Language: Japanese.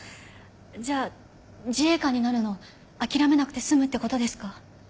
じゃあ自衛官になるの諦めなくて済むってことですか？